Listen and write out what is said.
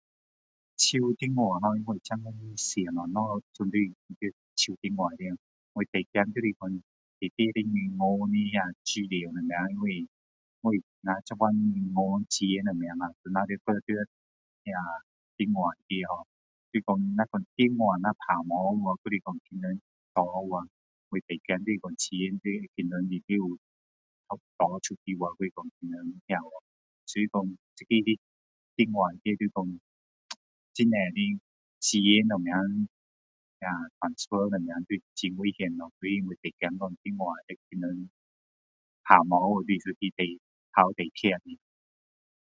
手电话hor 因为现在的什么东西都是在手电话里面我最怕就是说里面的银行的那些资料那些因为我们现在银行钱都在电话里面就是说手电话不见去还是说被人拿去钱在里面全部被人拿出来还是说怎样去所以说电话里面的很对的钱什么那个transfer 什么都是很危险咯所以我说电话会被人不见去就是一个头最痛的